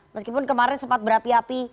meskipun kemarin sempat berapi api